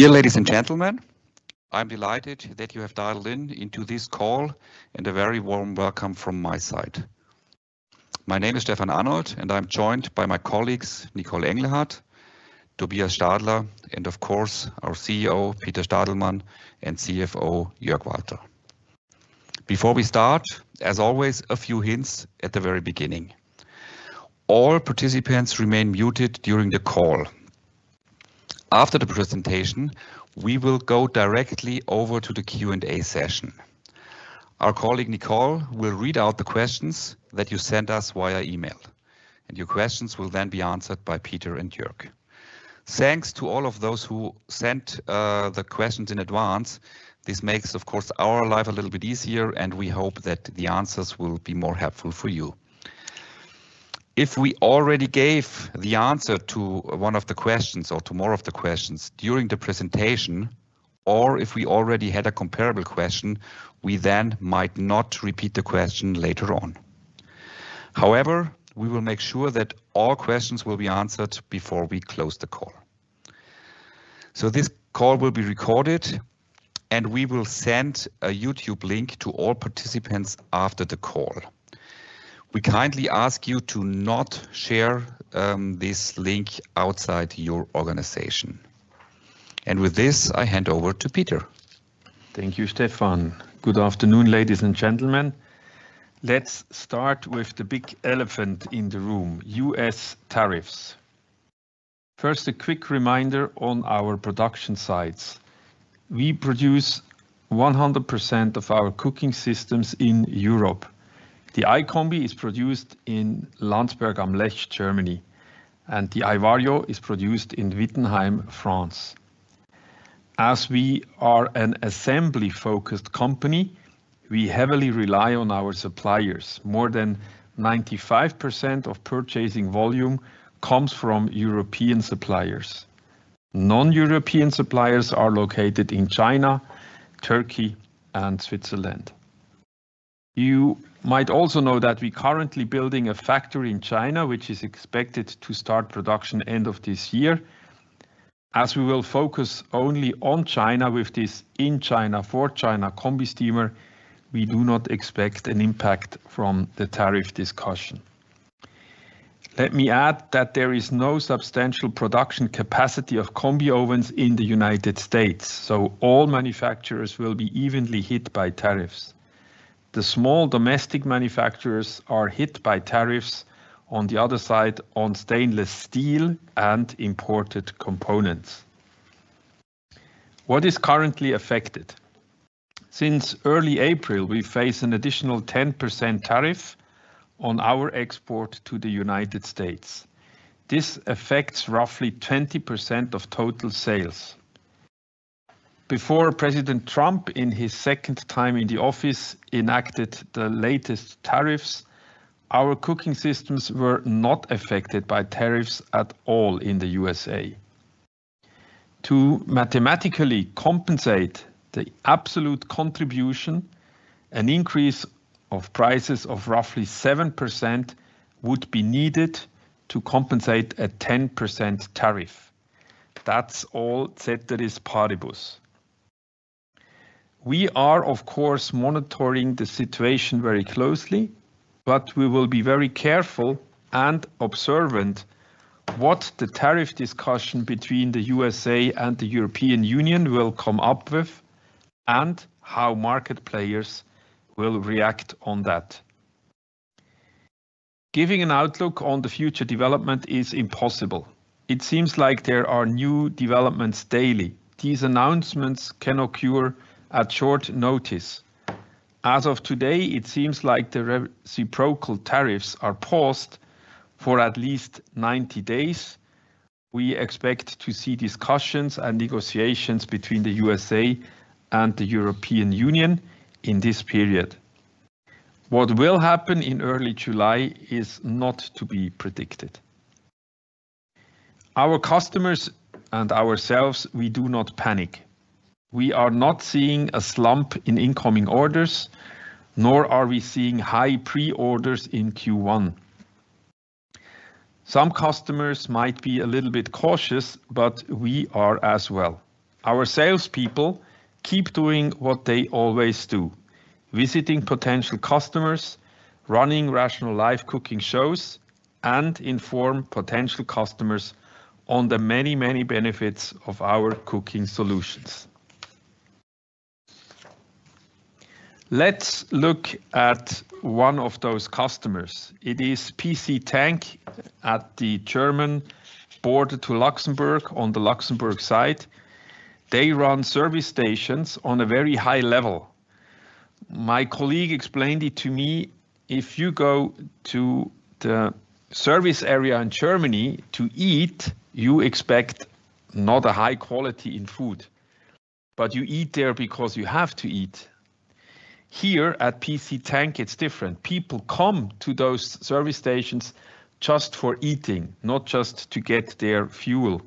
Dear ladies and gentlemen, I'm delighted that you have dialed in into this call and a very warm welcome from my side. My name is Stefan Arnold, and I'm joined by my colleagues Nicole Engelhardt, Tobias Stadler, and of course our CEO, Peter Stadelmann, and CFO, Jörg Walter. Before we start, as always, a few hints at the very beginning. All participants remain muted during the call. After the presentation, we will go directly over to the Q&A session. Our colleague Nicole will read out the questions that you sent us via email, and your questions will then be answered by Peter and Jörg. Thanks to all of those who sent the questions in advance. This makes, of course, our life a little bit easier, and we hope that the answers will be more helpful for you. If we already gave the answer to one of the questions or to more of the questions during the presentation, or if we already had a comparable question, we then might not repeat the question later on. However, we will make sure that all questions will be answered before we close the call. This call will be recorded, and we will send a YouTube link to all participants after the call. We kindly ask you to not share this link outside your organization. With this, I hand over to Peter. Thank you, Stefan. Good afternoon, ladies and gentlemen. Let's start with the big elephant in the room: U.S. tariffs. First, a quick reminder on our production sites. We produce 100% of our cooking systems in Europe. The iCombi is produced in Landsberg am Lech, Germany, and the iVario is produced in Wittenheim, France. As we are an assembly-focused company, we heavily rely on our suppliers. More than 95% of purchasing volume comes from European suppliers. Non-European suppliers are located in China, Turkey, and Switzerland. You might also know that we are currently building a factory in China, which is expected to start production at the end of this year. As we will focus only on China with this in-China, for-China Combi steamer, we do not expect an impact from the tariff discussion. Let me add that there is no substantial production capacity of Combi ovens in the United States, so all manufacturers will be evenly hit by tariffs. The small domestic manufacturers are hit by tariffs on the other side on stainless steel and imported components. What is currently affected? Since early April, we face an additional 10% tariff on our export to the United States. This affects roughly 20% of total sales. Before President Trump, in his second time in the office, enacted the latest tariffs, our cooking systems were not affected by tariffs at all in the U.S. To mathematically compensate the absolute contribution, an increase of prices of roughly 7% would be needed to compensate a 10% tariff. That's all CETERIS PARIBUS. We are, of course, monitoring the situation very closely, but we will be very careful and observant what the tariff discussion between the U.S.A. and the European Union will come up with and how market players will react on that. Giving an outlook on the future development is impossible. It seems like there are new developments daily. These announcements can occur at short notice. As of today, it seems like the reciprocal tariffs are paused for at least 90 days. We expect to see discussions and negotiations between the U.S.A. and the European Union in this period. What will happen in early July is not to be predicted. Our customers and ourselves, we do not panic. We are not seeing a slump in incoming orders, nor are we seeing high pre-orders in Q1. Some customers might be a little bit cautious, but we are as well. Our salespeople keep doing what they always do: visiting potential customers, running Rational live cooking shows, and inform potential customers on the many, many benefits of our cooking solutions. Let's look at one of those customers. It is PC Tank at the German border to Luxembourg on the Luxembourg side. They run service stations on a very high level. My colleague explained it to me: if you go to the service area in Germany to eat, you expect not a high quality in food, but you eat there because you have to eat. Here at PC Tank, it's different. People come to those service stations just for eating, not just to get their fuel.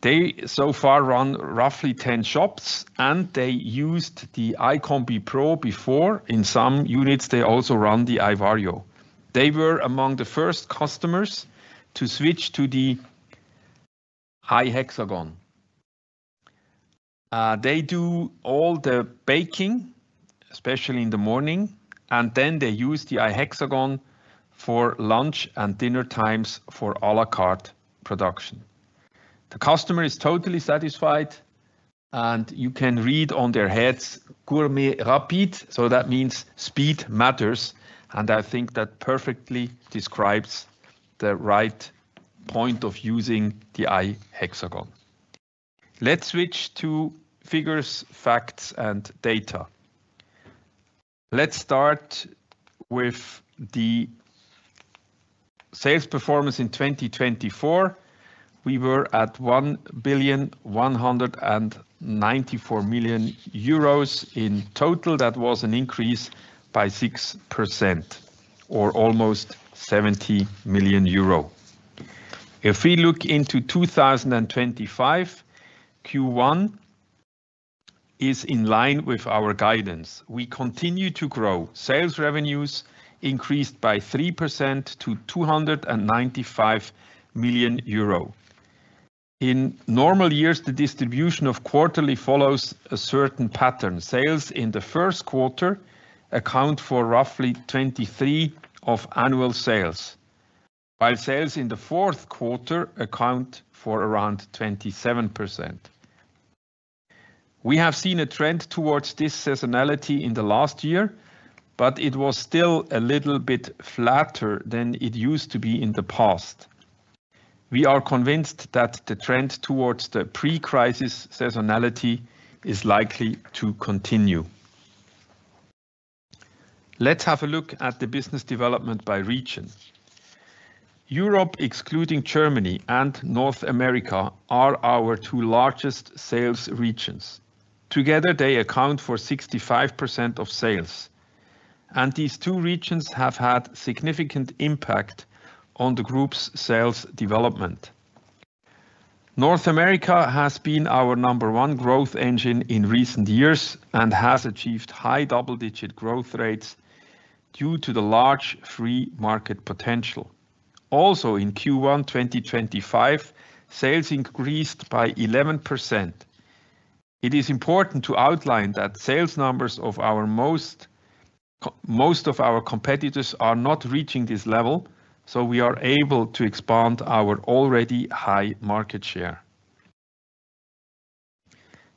They so far run roughly 10 shops, and they used the iCombi Pro before. In some units, they also run the iVario. They were among the first customers to switch to the iHexagon. They do all the baking, especially in the morning, and then they use the iHexagon for lunch and dinner times for à la carte production. The customer is totally satisfied, and you can read on their heads: "Gourmet rapide," so that means speed matters, and I think that perfectly describes the right point of using the iHexagon. Let's switch to figures, facts, and data. Let's start with the sales performance in 2024. We were at 1,194,000,000 euros in total. That was an increase by 6% or almost 70 million euro. If we look into 2025, Q1 is in line with our guidance. We continue to grow. Sales revenues increased by 3% to 295 million euro. In normal years, the distribution of quarterly follows a certain pattern. Sales in the first quarter account for roughly 23% of annual sales, while sales in the fourth quarter account for around 27%. We have seen a trend towards this seasonality in the last year, but it was still a little bit flatter than it used to be in the past. We are convinced that the trend towards the pre-crisis seasonality is likely to continue. Let's have a look at the business development by region. Europe, excluding Germany, and North America are our two largest sales regions. Together, they account for 65% of sales, and these two regions have had a significant impact on the group's sales development. North America has been our number one growth engine in recent years and has achieved high double-digit growth rates due to the large free market potential. Also, in Q1 2025, sales increased by 11%. It is important to outline that sales numbers of most of our competitors are not reaching this level, so we are able to expand our already high market share.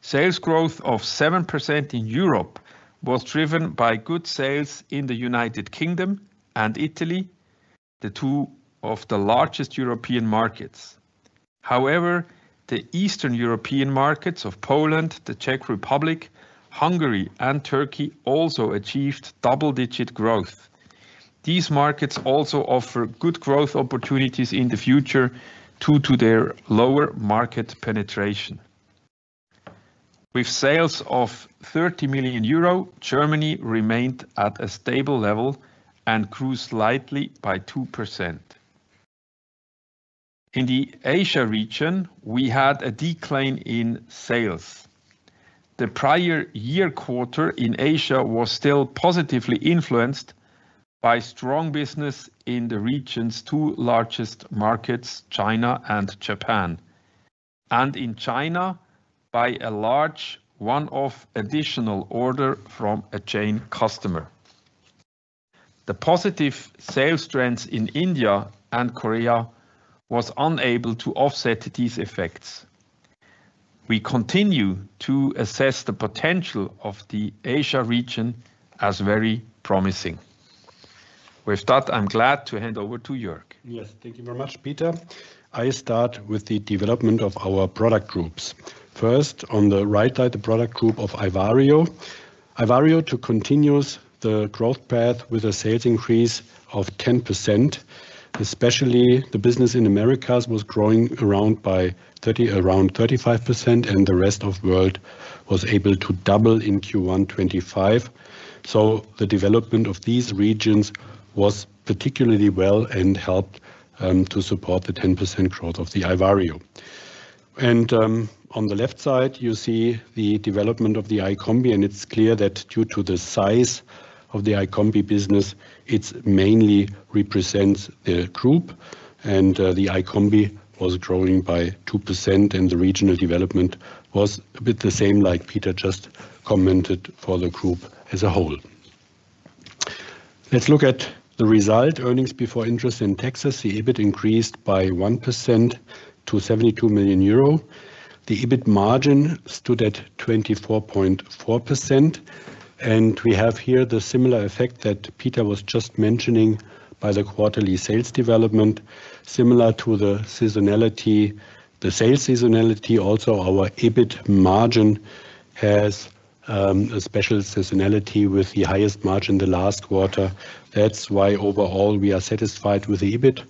Sales growth of 7% in Europe was driven by good sales in the U.K. and Italy, the two of the largest European markets. However, the Eastern European markets of Poland, the Czech Republic, Hungary, and Turkey also achieved double-digit growth. These markets also offer good growth opportunities in the future due to their lower market penetration. With sales of 30 million euro, Germany remained at a stable level and grew slightly by 2%. In the Asia region, we had a decline in sales. The prior year quarter in Asia was still positively influenced by strong business in the region's two largest markets, China and Japan, and in China, by a large one-off additional order from a chain customer. The positive sales trends in India and Korea were unable to offset these effects. We continue to assess the potential of the Asia region as very promising. With that, I'm glad to hand over to Jörg. Yes, thank you very much, Peter. I start with the development of our product groups. First, on the right side, the product group of iVario. iVario continues the growth path with a sales increase of 10%. Especially, the business in the Americas was growing around 35%, and the rest of the world was able to double in Q1 2025. The development of these regions was particularly well and helped to support the 10% growth of the iVario. On the left side, you see the development of the iCombi, and it's clear that due to the size of the iCombi business, it mainly represents the group, and the iCombi was growing by 2%, and the regional development was a bit the same, like Peter just commented, for the group as a whole. Let's look at the result: earnings before interest and taxes. The EBIT increased by 1% to 72 million euro. The EBIT margin stood at 24.4%, and we have here the similar effect that Peter was just mentioning by the quarterly sales development, similar to the sales seasonality. Also, our EBIT margin has a special seasonality with the highest margin the last quarter. That's why overall we are satisfied with the EBIT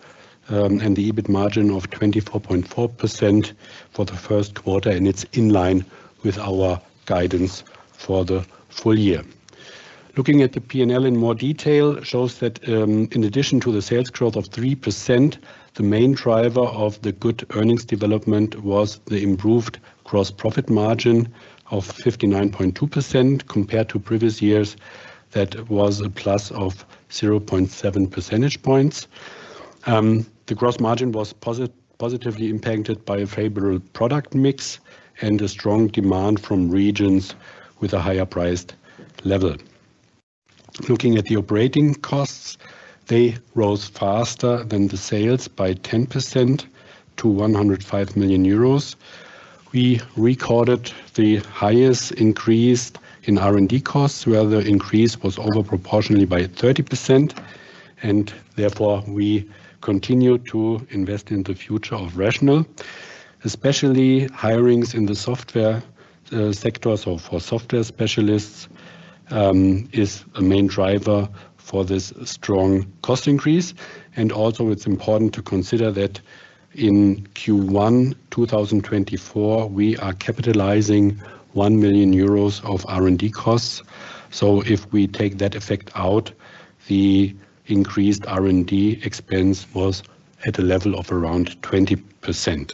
and the EBIT margin of 24.4% for the first quarter, and it's in line with our guidance for the full year. Looking at the P&L in more detail shows that in addition to the sales growth of 3%, the main driver of the good earnings development was the improved gross profit margin of 59.2% compared to previous years. That was a plus of 0.7 percentage points. The gross margin was positively impacted by a favorable product mix and a strong demand from regions with a higher price level. Looking at the operating costs, they rose faster than the sales by 10% to 105 million euros. We recorded the highest increase in R&D costs, where the increase was overproportionally by 30%, and therefore we continue to invest in the future of Rational, especially hirings in the software sector. For software specialists, it is a main driver for this strong cost increase. Also, it's important to consider that in Q1 2024, we are capitalizing 1 million euros of R&D costs. If we take that effect out, the increased R&D expense was at a level of around 20%.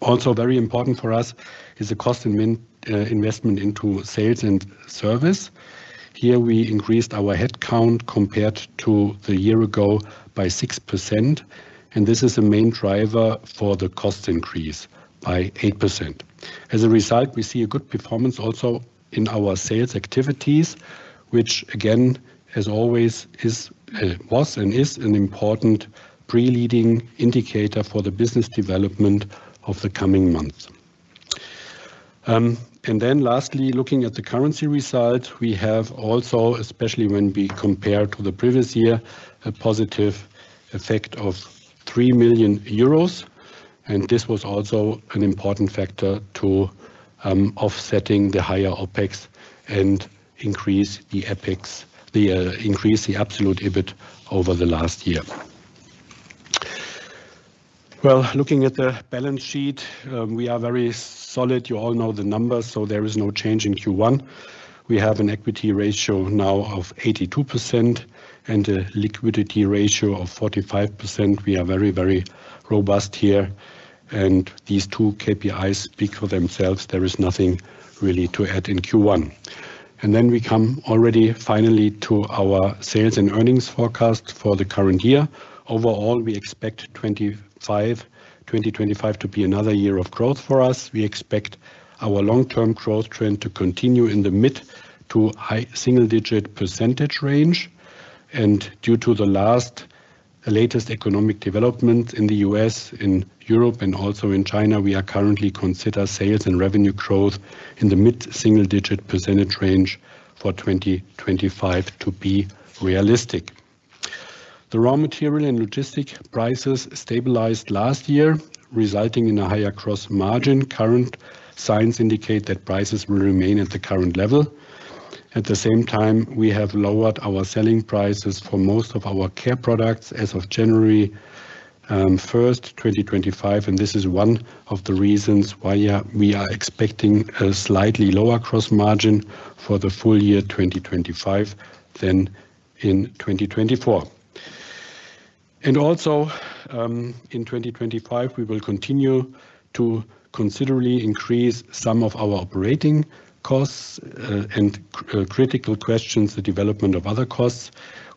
Also, very important for us is the cost investment into sales and service. Here we increased our headcount compared to the year ago by 6%, and this is a main driver for the cost increase by 8%. As a result, we see a good performance also in our sales activities, which again, as always, was and is an important pre-leading indicator for the business development of the coming months. Lastly, looking at the currency result, we have also, especially when we compare to the previous year, a positive effect of 3 million euros, and this was also an important factor to offsetting the higher OPEX and increase the absolute EBIT over the last year. Looking at the balance sheet, we are very solid. You all know the numbers, so there is no change in Q1. We have an equity ratio now of 82% and a liquidity ratio of 45%. We are very, very robust here, and these two KPIs speak for themselves. There is nothing really to add in Q1. We come already finally to our sales and earnings forecast for the current year. Overall, we expect 2025 to be another year of growth for us. We expect our long-term growth trend to continue in the mid to high single-digit % percent range. Due to the latest economic developments in the U.S., in Europe, and also in China, we are currently considering sales and revenue growth in the mid-single-digit % range for 2025 to be realistic. The raw material and logistic prices stabilized last year, resulting in a higher gross margin. Current signs indicate that prices will remain at the current level. At the same time, we have lowered our selling prices for most of our care products as of January 1, 2025, and this is one of the reasons why we are expecting a slightly lower gross margin for the full year 2025 than in 2024. Also in 2025, we will continue to considerably increase some of our operating costs and critical questions, the development of other costs.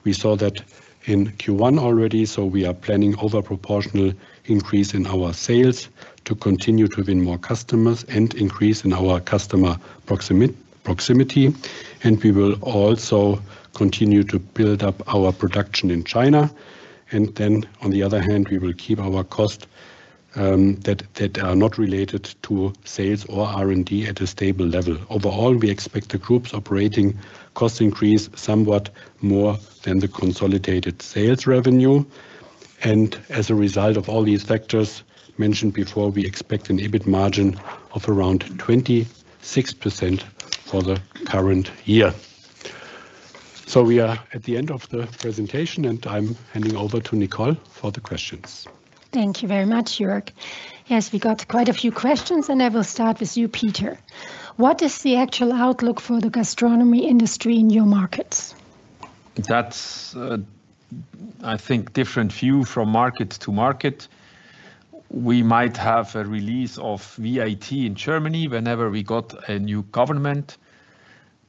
We saw that in Q1 already, so we are planning an overproportional increase in our sales to continue to win more customers and increase in our customer proximity. We will also continue to build up our production in China. On the other hand, we will keep our costs that are not related to sales or R&D at a stable level. Overall, we expect the group's operating cost increase somewhat more than the consolidated sales revenue. As a result of all these factors mentioned before, we expect an EBIT margin of around 26% for the current year. We are at the end of the presentation, and I'm handing over to Nicole for the questions. Thank you very much, Jörg. Yes, we got quite a few questions, and I will start with you, Peter. What is the actual outlook for the gastronomy industry in your markets? That's, I think, a different view from market to market. We might have a release of VAT in Germany whenever we got a new government.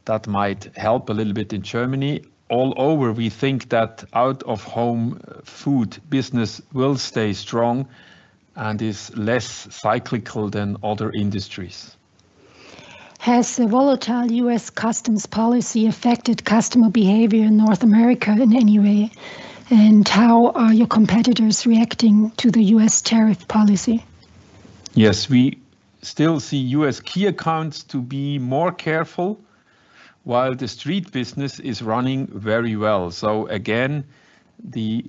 That might help a little bit in Germany. All over, we think that out-of-home food business will stay strong and is less cyclical than other industries. Has a volatile U.S. customs policy affected customer behavior in North America in any way? How are your competitors reacting to the U.S. tariff policy? Yes, we still see U.S. key accounts to be more careful, while the street business is running very well. Again, the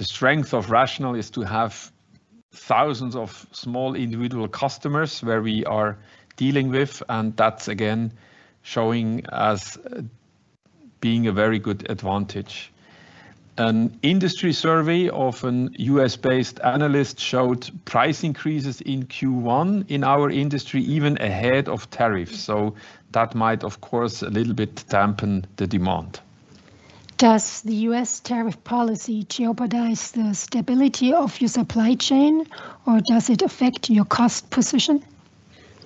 strength of Rational is to have thousands of small individual customers where we are dealing with, and that is again showing us being a very good advantage. An industry survey of a U.S.-based analyst showed price increases in Q1 in our industry even ahead of tariffs. That might, of course, a little bit dampen the demand. Does the U.S. tariff policy jeopardize the stability of your supply chain, or does it affect your cost position?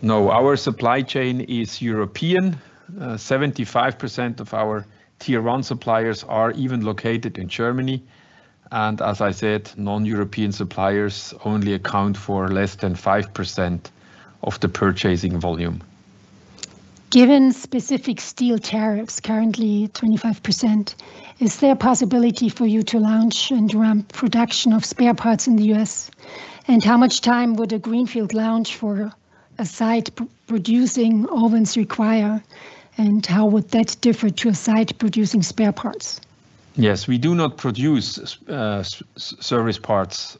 No, our supply chain is European. 75% of our tier one suppliers are even located in Germany. As I said, non-European suppliers only account for less than 5% of the purchasing volume. Given specific steel tariffs currently at 25%, is there a possibility for you to launch and ramp production of spare parts in the U.S.? How much time would a greenfield launch for a site producing ovens require? How would that differ to a site producing spare parts? Yes, we do not produce service parts,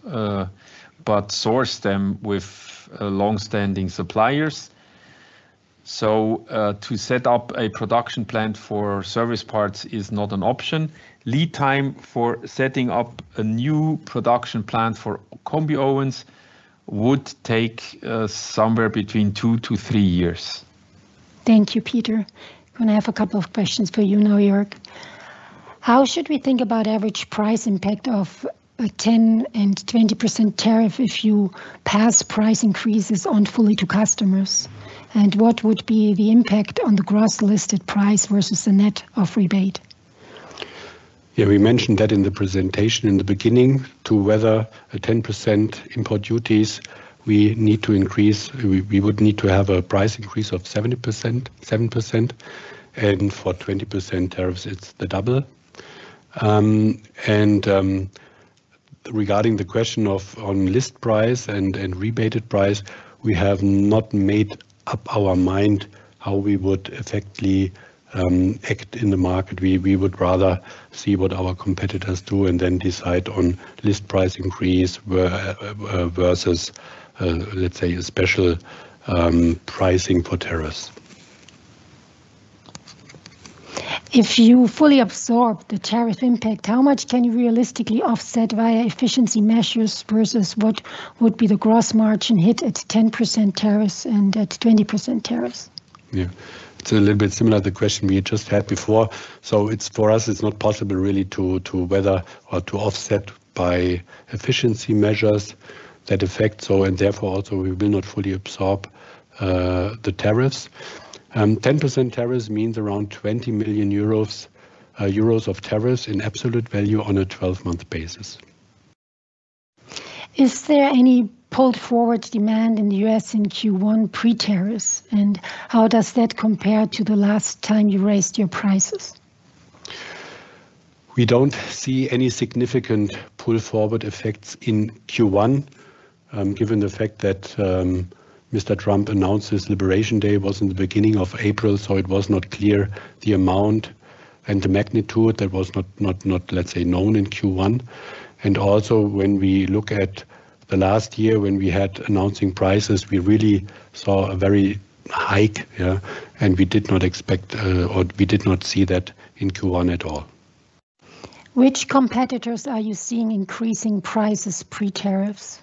but source them with long-standing suppliers. To set up a production plant for service parts is not an option. Lead time for setting up a new production plant for Combi ovens would take somewhere between two to three years. Thank you, Peter. I'm going to have a couple of questions for you now, Jörg. How should we think about the average price impact of a 10% and 20% tariff if you pass price increases on fully to customers? And what would be the impact on the gross listed price versus the net of rebate? Yeah, we mentioned that in the presentation in the beginning to whether 10% import duties we need to increase. We would need to have a price increase of 7%. For 20% tariffs, it's the double. Regarding the question of list price and rebated price, we have not made up our mind how we would effectively act in the market. We would rather see what our competitors do and then decide on list price increase versus, let's say, a special pricing for tariffs. If you fully absorb the tariff impact, how much can you realistically offset via efficiency measures versus what would be the gross margin hit at 10% tariffs and at 20% tariffs? Yeah, it's a little bit similar to the question we just had before. For us, it's not possible really to whether or to offset by efficiency measures that effect, and therefore also we will not fully absorb the tariffs. 10% tariffs means around 20 million euros of tariffs in absolute value on a 12-month basis. Is there any pulled-forward demand in the U.S. in Q1 pre-tariffs? How does that compare to the last time you raised your prices? We do not see any significant pull-forward effects in Q1, given the fact that Mr. Trump announced his Liberation Day was in the beginning of April, so it was not clear the amount and the magnitude that was not, let's say, known in Q1. Also, when we look at last year when we had announcing prices, we really saw a very high, and we did not expect or we did not see that in Q1 at all. Which competitors are you seeing increasing prices pre-tariffs?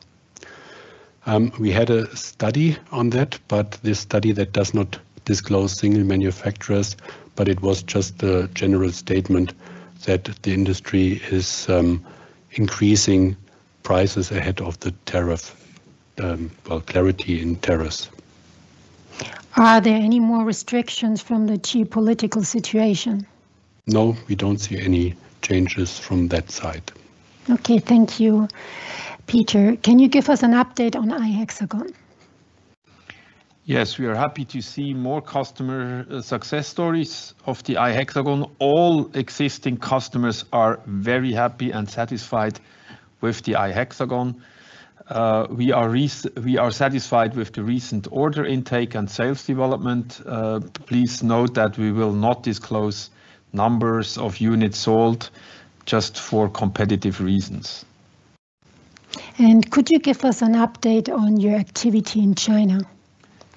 We had a study on that, but this study does not disclose single manufacturers, but it was just the general statement that the industry is increasing prices ahead of the clarity in tariffs. Are there any more restrictions from the geopolitical situation? No, we don't see any changes from that side. Okay, thank you. Peter. Can you give us an update on iHexagon? Yes, we are happy to see more customer success stories of the iHexagon. All existing customers are very happy and satisfied with the iHexagon. We are satisfied with the recent order intake and sales development. Please note that we will not disclose numbers of units sold just for competitive reasons. Could you give us an update on your activity in China?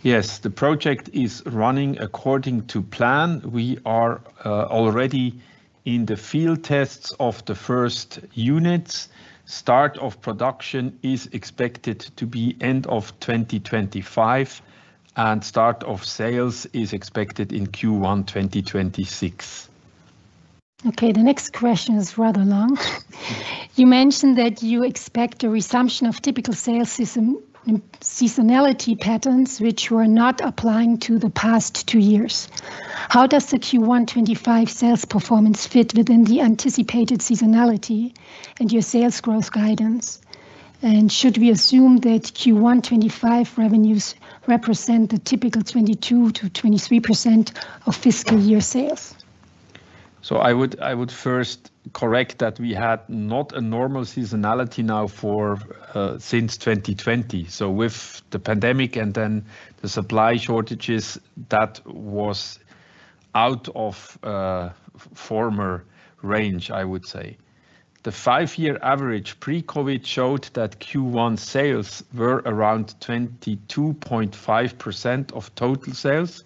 Yes, the project is running according to plan. We are already in the field tests of the first units. Start of production is expected to be end of 2025, and start of sales is expected in Q1 2026. Okay, the next question is rather long. You mentioned that you expect a resumption of typical sales seasonality patterns, which were not applying to the past two years. How does the Q1 2025 sales performance fit within the anticipated seasonality and your sales growth guidance? Should we assume that Q1 2025 revenues represent the typical 22-23% of fiscal year sales? I would first correct that we had not a normal seasonality now since 2020. With the pandemic and then the supply shortages, that was out of former range, I would say. The five-year average pre-COVID showed that Q1 sales were around 22.5% of total sales,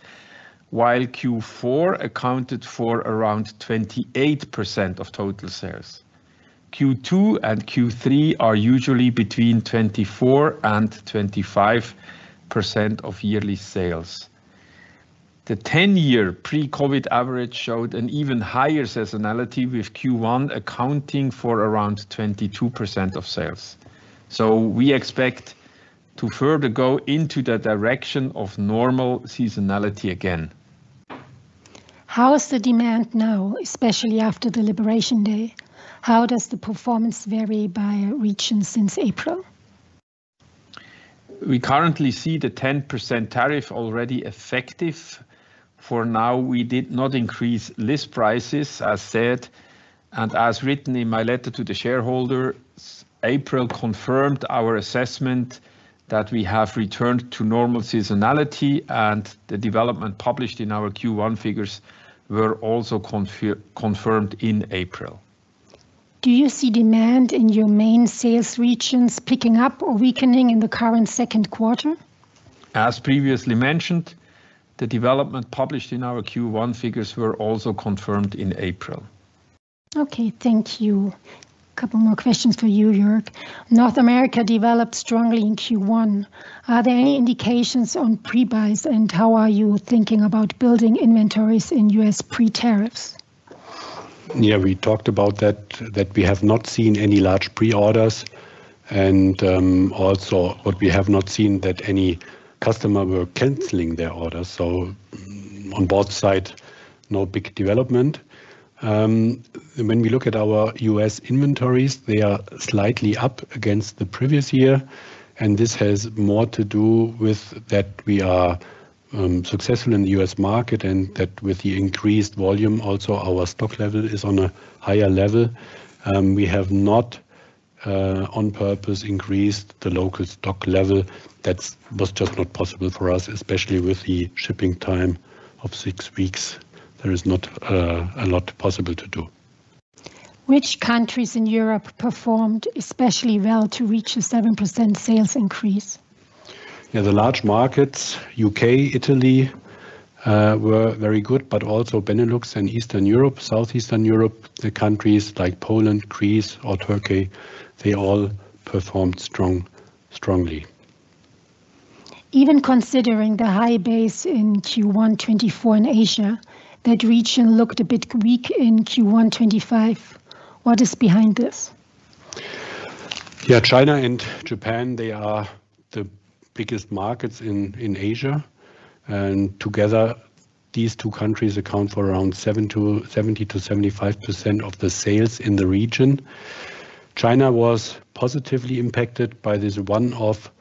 while Q4 accounted for around 28% of total sales. Q2 and Q3 are usually between 24% and 25% of yearly sales. The 10-year pre-COVID average showed an even higher seasonality, with Q1 accounting for around 22% of sales. We expect to further go into the direction of normal seasonality again. How is the demand now, especially after the Liberation Day? How does the performance vary by region since April? We currently see the 10% tariff already effective. For now, we did not increase list prices, as said, and as written in my letter to the shareholders, April confirmed our assessment that we have returned to normal seasonality, and the development published in our Q1 figures were also confirmed in April. Do you see demand in your main sales regions picking up or weakening in the current second quarter? As previously mentioned, the development published in our Q1 figures was also confirmed in April. Okay, thank you. A couple more questions for you, Jörg. North America developed strongly in Q1. Are there any indications on pre-buys, and how are you thinking about building inventories in U.S. pre-tariffs? Yeah, we talked about that, that we have not seen any large pre-orders, and also what we have not seen is that any customer were canceling their orders. So on both sides, no big development. When we look at our U.S. inventories, they are slightly up against the previous year, and this has more to do with that we are successful in the U.S. market and that with the increased volume, also our stock level is on a higher level. We have not on purpose increased the local stock level. That was just not possible for us, especially with the shipping time of six weeks. There is not a lot possible to do. Which countries in Europe performed especially well to reach a 7% sales increase? Yeah, the large markets, U.K., Italy, were very good, but also Benelux and Eastern Europe, Southeastern Europe, the countries like Poland, Greece, or Turkey, they all performed strongly. Even considering the high base in Q1 2024 in Asia, that region looked a bit weak in Q1 2025. What is behind this? Yeah, China and Japan, they are the biggest markets in Asia, and together these two countries account for around 70-75% of the sales in the region. China was positively impacted by this one-off big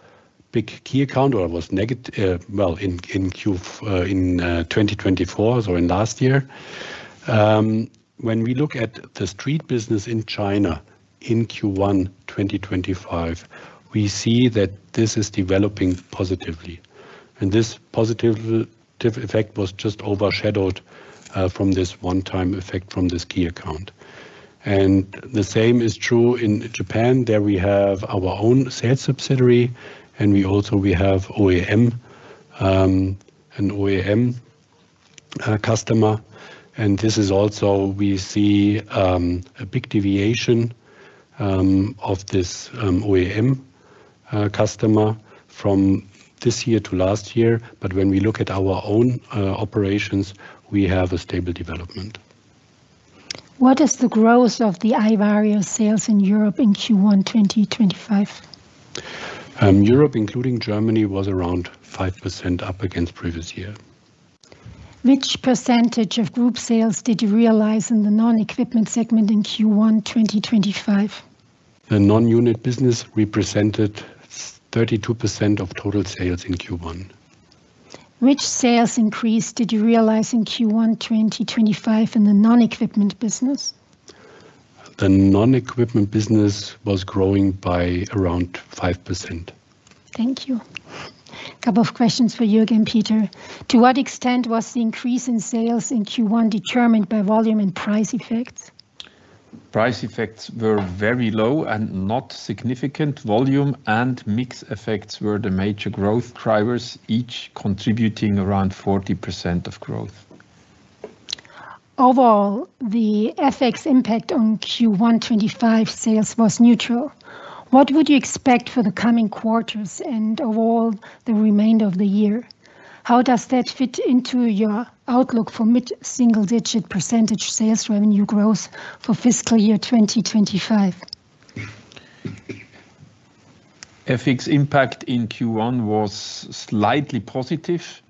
key account or was negative in Q4, so in last year. When we look at the street business in China in Q1 2025, we see that this is developing positively. This positive effect was just overshadowed from this one-time effect from this key account. The same is true in Japan. There we have our own sales subsidiary, and we also have OEM, an OEM customer. This is also we see a big deviation of this OEM customer from this year to last year. When we look at our own operations, we have a stable development. What is the growth of the iVario sales in Europe in Q1 2025? Europe, including Germany, was around 5% up against previous year. Which percentage of group sales did you realize in the non-equipment segment in Q1 2025? The non-unit business represented 32% of total sales in Q1. Which sales increase did you realize in Q1 2025 in the non-equipment business? The non-equipment business was growing by around 5%. Thank you. A couple of questions for you again, Peter. To what extent was the increase in sales in Q1 determined by volume and price effects? Price effects were very low and not significant. Volume and mix effects were the major growth drivers, each contributing around 40% of growth. Overall, the FX impact on Q1 2025 sales was neutral. What would you expect for the coming quarters and overall the remainder of the year? How does that fit into your outlook for mid-single-digit % sales revenue growth for fiscal year 2025? FX impact in Q1 was slightly positive.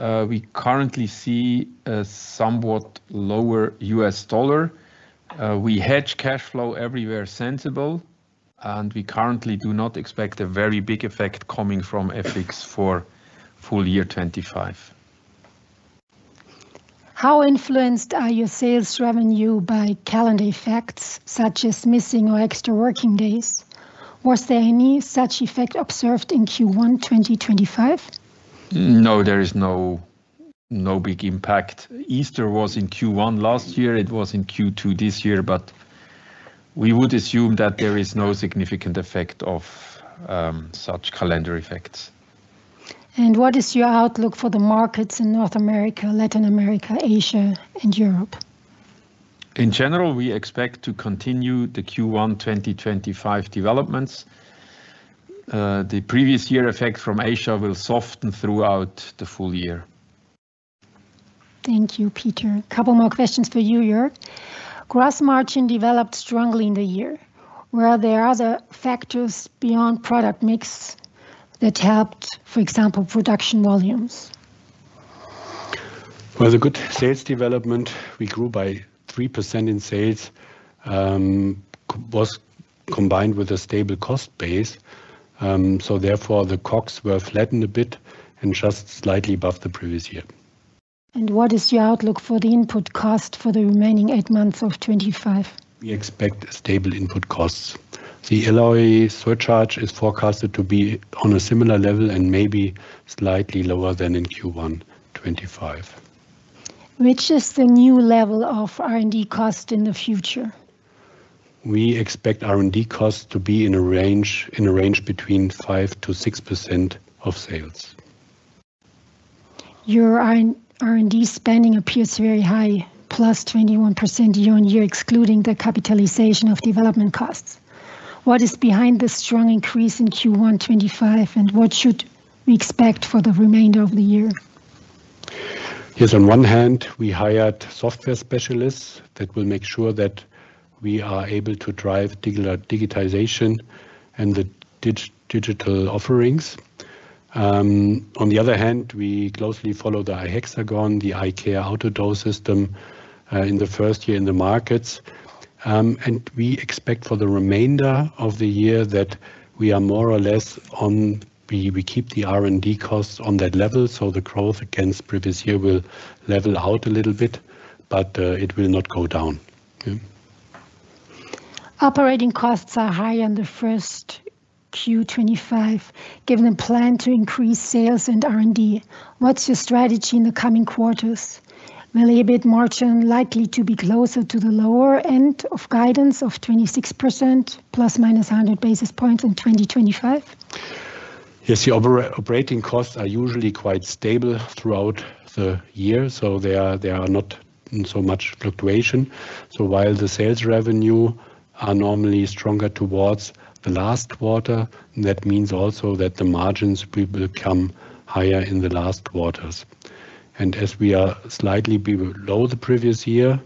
We currently see a somewhat lower U.S. dollar. We hedge cash flow everywhere sensible, and we currently do not expect a very big effect coming from FX for full year 2025. How influenced are your sales revenue by calendar effects such as missing or extra working days? Was there any such effect observed in Q1 2025? No, there is no big impact. Easter was in Q1 last year. It was in Q2 this year, but we would assume that there is no significant effect of such calendar effects. What is your outlook for the markets in North America, Latin America, Asia, and Europe? In general, we expect to continue the Q1 2025 developments. The previous year effect from Asia will soften throughout the full year. Thank you, Peter. A couple more questions for you, Jörg. Gross margin developed strongly in the year. Were there other factors beyond product mix that helped, for example, production volumes? The good sales development, we grew by 3% in sales, was combined with a stable cost base. Therefore, the COGS were flattened a bit and just slightly above the previous year. What is your outlook for the input cost for the remaining eight months of 2025? We expect stable input costs. The LOE surcharge is forecasted to be on a similar level and maybe slightly lower than in Q1 2025. Which is the new level of R&D cost in the future? We expect R&D cost to be in a range between 5%-6% of sales. Your R&D spending appears very high, plus 21% year on year, excluding the capitalization of development costs. What is behind this strong increase in Q1 2025, and what should we expect for the remainder of the year? Yes, on one hand, we hired software specialists that will make sure that we are able to drive digitalization and the digital offerings. On the other hand, we closely follow the iHexagon, the iCare Auto Door system in the first year in the markets. We expect for the remainder of the year that we are more or less on, we keep the R&D costs on that level, so the growth against previous year will level out a little bit, but it will not go down. Operating costs are high in the first Q2 2025, given a plan to increase sales and R&D. What's your strategy in the coming quarters? Will EBIT margin likely be closer to the lower end of guidance of 26%, plus minus 100 basis points in 2025? Yes, the operating costs are usually quite stable throughout the year, so there is not so much fluctuation. While the sales revenue are normally stronger towards the last quarter, that means also that the margins will become higher in the last quarters. As we are slightly below the previous year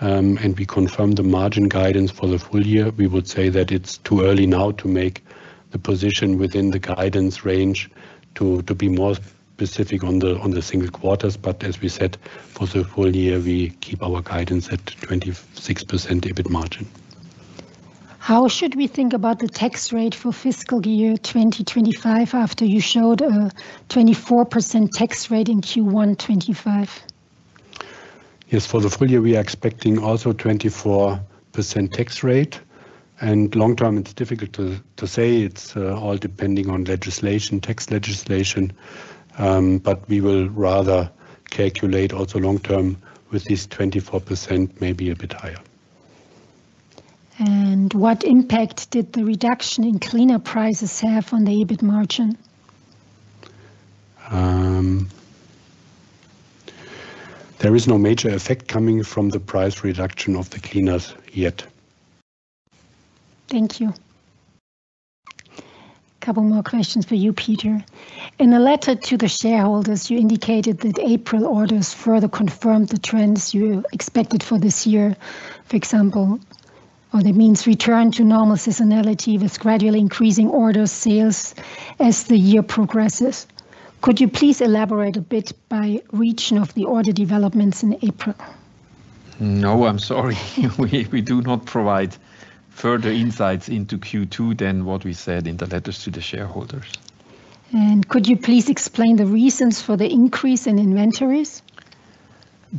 and we confirm the margin guidance for the full year, we would say that it's too early now to make the position within the guidance range to be more specific on the single quarters. As we said, for the full year, we keep our guidance at 26% EBIT margin. How should we think about the tax rate for fiscal year 2025 after you showed a 24% tax rate in Q1 2025? Yes, for the full year, we are expecting also 24% tax rate. Long term, it's difficult to say. It's all depending on legislation, tax legislation, but we will rather calculate also long term with this 24%, maybe a bit higher. What impact did the reduction in cleaner prices have on the EBIT margin? There is no major effect coming from the price reduction of the cleaners yet. Thank you. A couple more questions for you, Peter. In a letter to the shareholders, you indicated that April orders further confirmed the trends you expected for this year, for example, or that means return to normal seasonality with gradually increasing order sales as the year progresses. Could you please elaborate a bit by region of the order developments in April? No, I'm sorry. We do not provide further insights into Q2 than what we said in the letters to the shareholders. Could you please explain the reasons for the increase in inventories?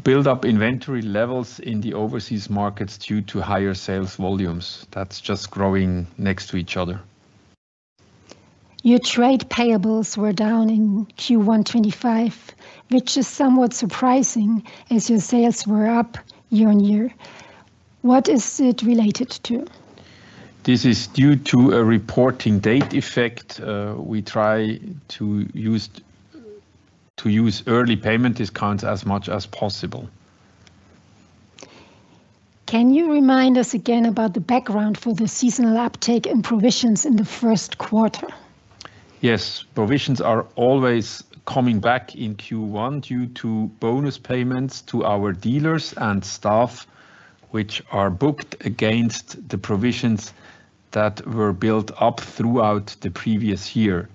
Build-up inventory levels in the overseas markets due to higher sales volumes. That's just growing next to each other. Your trade payables were down in Q1 2025, which is somewhat surprising as your sales were up year on year. What is it related to? This is due to a reporting date effect. We try to use early payment discounts as much as possible. Can you remind us again about the background for the seasonal uptake and provisions in the first quarter? Yes, provisions are always coming back in Q1 due to bonus payments to our dealers and staff, which are booked against the provisions that were built up throughout the previous year.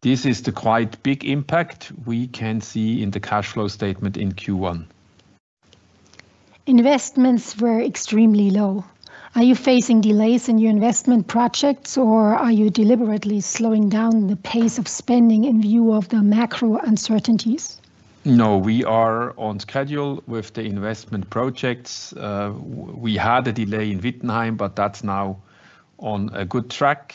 This is the quite big impact we can see in the cash flow statement in Q1. Investments were extremely low. Are you facing delays in your investment projects, or are you deliberately slowing down the pace of spending in view of the macro uncertainties? No, we are on schedule with the investment projects. We had a delay in Wittenheim, but that's now on a good track.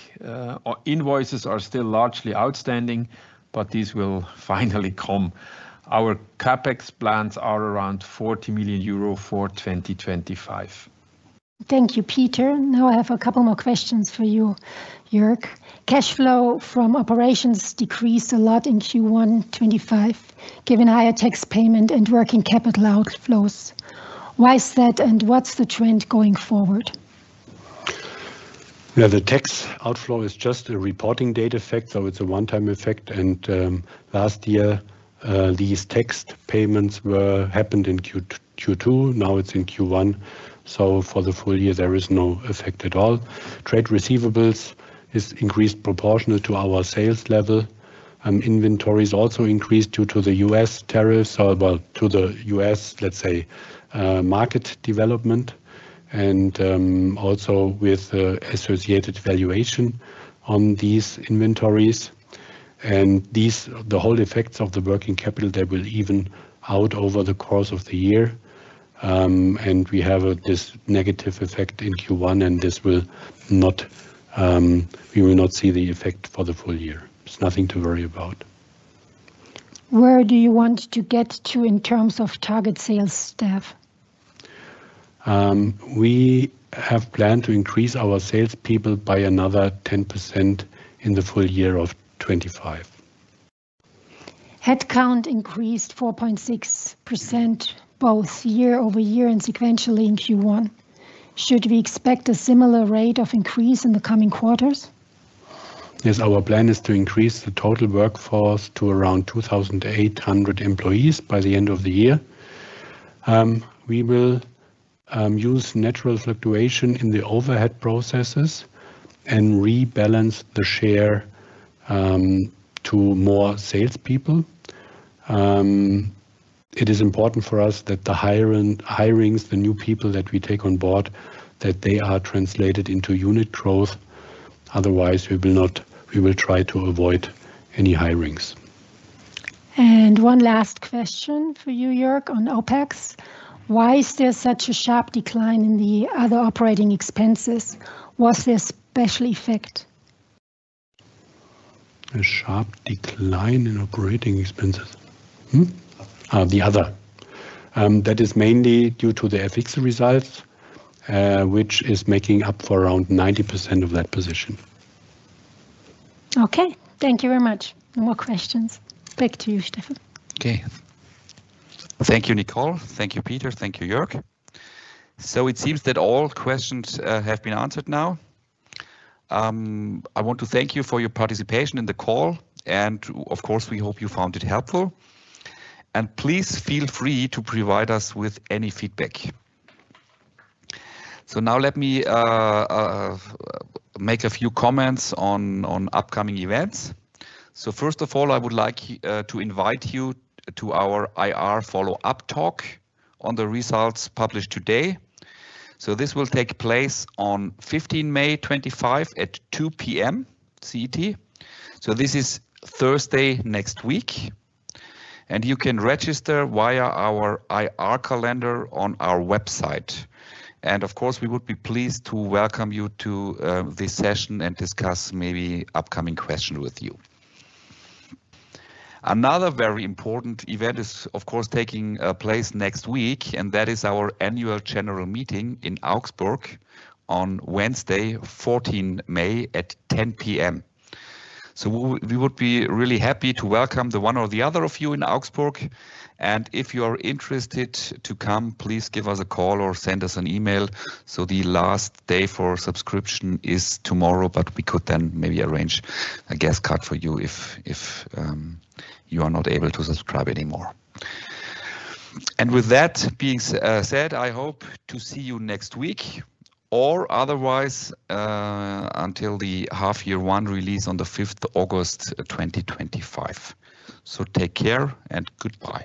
Invoices are still largely outstanding, but these will finally come. Our CapEx plans are around 40 million euro for 2025. Thank you, Peter. Now I have a couple more questions for you, Jörg. Cash flow from operations decreased a lot in Q1 2025, given higher tax payment and working capital outflows. Why is that, and what's the trend going forward? Yeah, the tax outflow is just a reporting date effect, so it's a one-time effect. Last year, these tax payments happened in Q2. Now it's in Q1. For the full year, there is no effect at all. Trade receivables have increased proportional to our sales level. Inventories also increased due to the U.S. tariffs, to the U.S., let's say, market development, and also with associated valuation on these inventories. The whole effects of the working capital, they will even out over the course of the year. We have this negative effect in Q1, and we will not see the effect for the full year. It's nothing to worry about. Where do you want to get to in terms of target sales staff? We have planned to increase our salespeople by another 10% in the full year of 2025. Headcount increased 4.6% both year-over-year and sequentially in Q1. Should we expect a similar rate of increase in the coming quarters? Yes, our plan is to increase the total workforce to around 2,800 employees by the end of the year. We will use natural fluctuation in the overhead processes and rebalance the share to more salespeople. It is important for us that the hirings, the new people that we take on board, that they are translated into unit growth. Otherwise, we will try to avoid any hirings. One last question for you, Jörg, on OPEX. Why is there such a sharp decline in the other operating expenses? Was there a special effect? A sharp decline in operating expenses. The other. That is mainly due to the FX results, which is making up for around 90% of that position. Okay. Thank you very much. No more questions. Back to you, Stefan. Okay. Thank you, Nicole. Thank you, Peter. Thank you, Jörg. It seems that all questions have been answered now. I want to thank you for your participation in the call. Of course, we hope you found it helpful. Please feel free to provide us with any feedback. Now let me make a few comments on upcoming events. First of all, I would like to invite you to our IR follow-up talk on the results published today. This will take place on 15 May 2025 at 2:00 P.M. CET. This is Thursday next week. You can register via our IR calendar on our website. Of course, we would be pleased to welcome you to this session and discuss maybe upcoming questions with you. Another very important event is, of course, taking place next week, and that is our annual general meeting in Augsburg on Wednesday, 14th May at 10:00 P.M. We would be really happy to welcome the one or the other of you in Augsburg. If you are interested to come, please give us a call or send us an email. The last day for subscription is tomorrow, but we could then maybe arrange a guest card for you if you are not able to subscribe anymore. With that being said, I hope to see you next week or otherwise until the Half-Year 1 release on the 5th of August 2025. Take care and goodbye.